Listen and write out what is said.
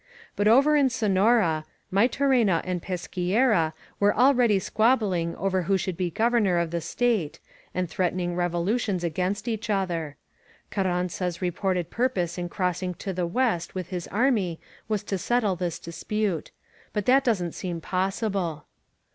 But over in Sonora, Maytorena cuid Pesquiera were already S64 CARRANZA— AN IMPRESSION squabbling over who should be Governor of the State, and threatening revolutions against each other. Car ranza's reported purpose in crossing to the West with his army was to settle this dispute. But that doesn't seem possible.